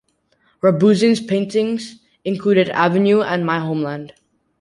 Rabuzin's paintings included "Avenue" and "My Homeland".